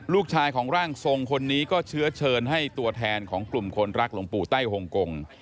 ลูกชายของร่างทรงคนนี้ก็เชื้อเชิญให้ตัวแทนของกลุ่มคนรักหลวงปู่ไต้หงกง